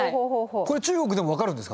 中国でも分かるんですか？